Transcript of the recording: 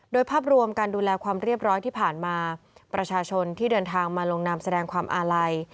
โดยภาพรวมการดูแลความเรียบร้อยที่ผ่านมาประชาชนที่เดินทางมาลงนามแสดงความอาลัย